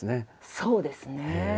そうですね。